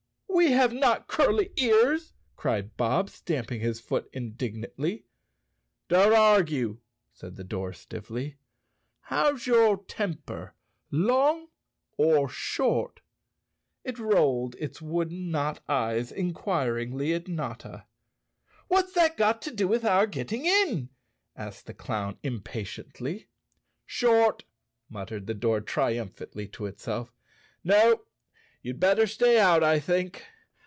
"We have not curly ears," cried Bob, stamping his foot indignantly. "Don't argue," said the door stiffly. "How's your temper—long or short?" It rolled its wooden knot eyes inquiringly at Notta. "What's that got to do with our getting in?" asked the clown impatiently. "Short!" muttered the door triumphantly to itself. 74 _ Chapter Six "No, you'd better stay out, I think.